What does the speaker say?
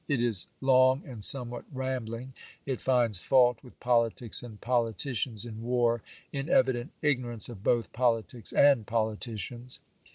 It is long and somewhat rambling; it finds fault with politics and politicians in war, in evident igno LINCOLN DIKECTS COOPEKATION 109 ranee of both politics and politicians.